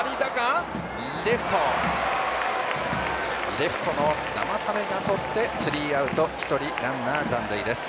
レフトの生田目がとってスリーアウト１人、ランナー残塁です。